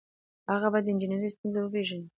هغه باید د انجنیری ستونزې وپيژني.